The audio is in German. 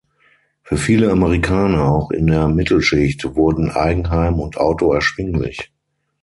Für viele Amerikaner, auch in der Mittelschicht, wurden Eigenheim und Auto erschwinglich.